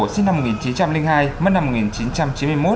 sinh năm một nghìn chín trăm linh hai mất năm một nghìn chín trăm chín mươi một